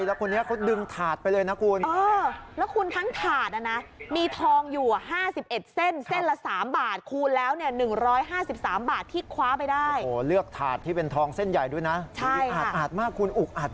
แล้วคนนี้เขาดึงถาดไปเลยนะคุณ